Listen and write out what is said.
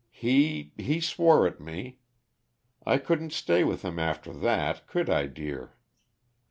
"He he swore at me. I couldn't stay with him, after that could I, dear?"